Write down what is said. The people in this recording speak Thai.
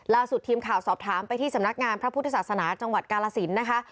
ทีมข่าวสอบถามไปที่สำนักงานพระพุทธศาสนาจังหวัดกาลสินนะคะ